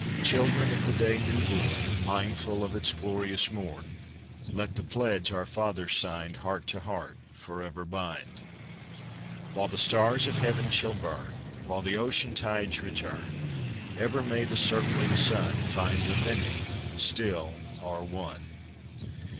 Children of the day new born! Mindful of its glorious morn, Let the pledge our fathers signed Heart to heart forever bind! While the stars of heaven shall burn, While the ocean tides return, Ever may the circling sun Find the Many still are One!